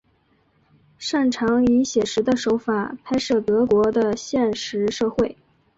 擅长以写实的手法拍摄德国的现实社会。